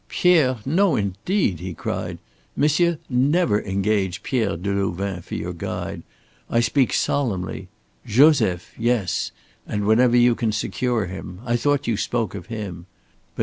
"Pierre! No, indeed!" he cried. "Monsieur, never engage Pierre Delouvain for your guide. I speak solemnly. Joseph yes, and whenever you can secure him. I thought you spoke of him.